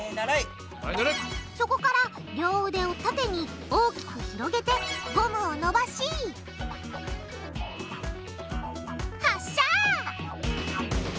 そこから両腕を縦に大きく広げてゴムをのばし発射！